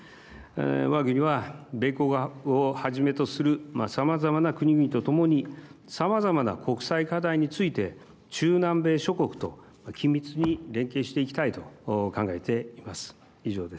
わが国は米国を初めとするさまざまな国々と共にさまざまな国際課題について中南米諸国と緊密に連携していきたいと考えています。